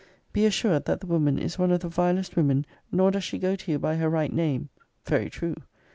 Be assured that the woman is one of the vilest women nor does she go to you by her right name [Very true!